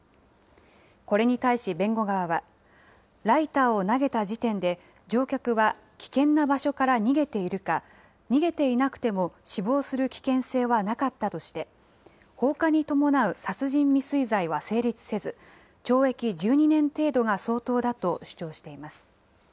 これに対し弁護側は、ライターを投げた時点で、乗客は危険な場所から逃げているか、逃げていなくても死亡する危険性はなかったとして、放火に伴う殺人未遂罪は成立せず、懲役１２年程度が相当だと主張しています。